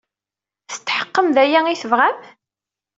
Tetḥeqqem d aya ay tebɣam?